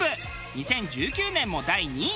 ２０１９年も第２位。